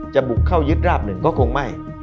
บุกเข้ายึดราบหนึ่งก็คงไม่